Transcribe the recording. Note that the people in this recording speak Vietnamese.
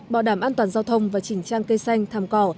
bảo đảm an toàn giao thông và chỉnh trang cây xanh thàm cỏ